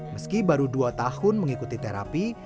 meski baru dua tahun mengikuti terapi